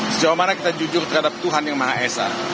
sejauh mana kita jujur terhadap tuhan yang maha esa